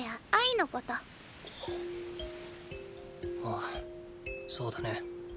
ああそうだね。